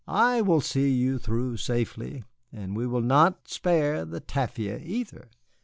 I will see you through safely, and we will not spare the tafia either."